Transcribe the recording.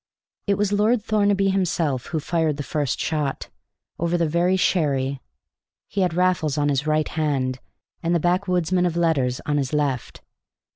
It was Lord Thornaby himself who fired the first shot, over the very sherry. He had Raffles on his right hand, and the backwoodsman of letters on his left.